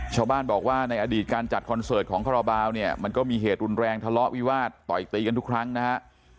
ชาวบ้านบอกว่าในอดีตการจัดคอนเสิร์ตของคาราบาลเนี่ยมันก็มีเหตุรุนแรงทะเลาะวิวาสต่อยตีกันทุกครั้งนะฮะ